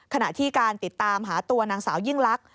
ขณะที่การติดตามหาตัวนางสาวยิ่งลักษ